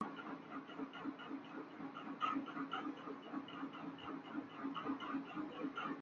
একই সঙ্গে কিছু অসাধু চিকিৎসক অবৈজ্ঞানিক পন্থায় হৃদ্রোগ চিকিৎসার পরামর্শ দিচ্ছেন।